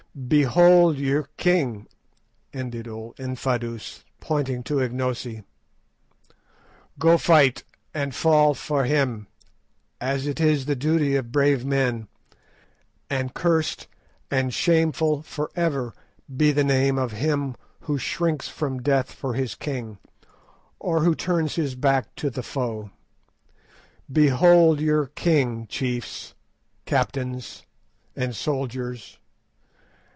"Behold your king!" ended old Infadoos, pointing to Ignosi; "go fight and fall for him, as is the duty of brave men, and cursed and shameful for ever be the name of him who shrinks from death for his king, or who turns his back to the foe. Behold your king, chiefs, captains, and soldiers!